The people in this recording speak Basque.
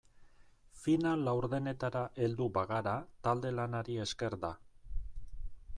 Final laurdenetara heldu bagara talde-lanari esker da.